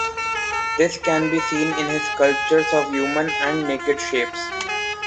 This can be seen in his sculptures of human, and naked shapes.